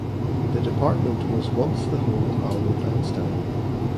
The department was once the home of Albert Einstein.